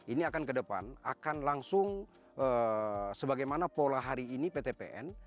ini akan ke depan akan langsung sebagaimana pola hari ini ptpn